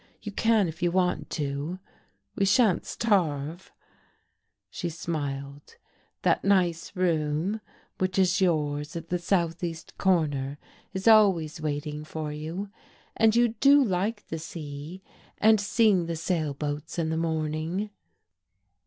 You can if you want to. We shan't starve." She smiled. "That nice room, which is yours, at the southeast corner, is always waiting for you. And you do like the sea, and seeing the sail boats in the morning."